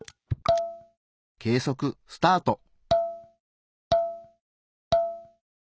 計測スタート！